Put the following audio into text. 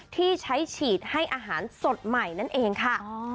ที่ใช้ฉีดให้อาหารสดใหม่นั่นเองค่ะ